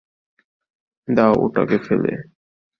দাও ওটাকে ফেলে।